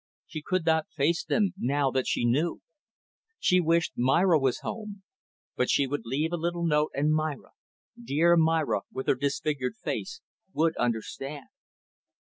She could not face them; now that she knew. She wished Myra was home. But she would leave a little note and Myra dear Myra with her disfigured face would understand.